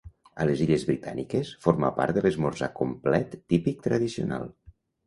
A les illes britàniques forma part de l'esmorzar complet típic tradicional.